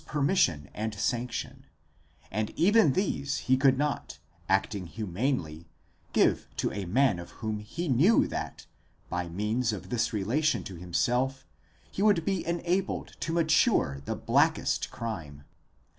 permission and sanction, and even these he could not, acting humanly, give to a man of whom he knew that, by means of this relation to himself, he would be enabled to mature the blackest crime.